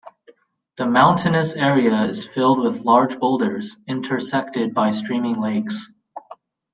The mountainous area is filled with large boulders, intersected by streaming lakes.